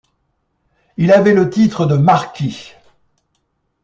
Il avait le titre de Marquis.